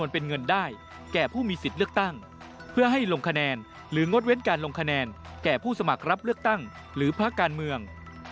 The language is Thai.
เพื่อให้ลงคะแนนหรืองดเว้นการลงคะแนนแก่ผู้สมัครรับเลือกตั้งหรือพระการเมือง